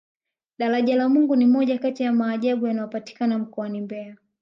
daraja la mungu ni moja Kati ya maajabu yanayopatikana mkoani mbeya